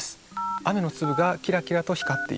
雨の粒がキラキラと光っている。